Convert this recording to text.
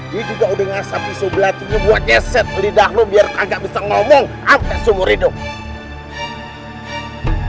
dia juga udah ngasap pisau belatinya buat nyeset lidah lu biar kagak bisa ngomong sampe sumur hidup